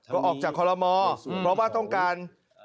ก็ออกจากคอลโลมอเพราะว่าต้องการ